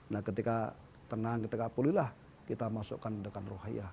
nah ketika tenang ketika pulih lah kita masukkan dengan rohaya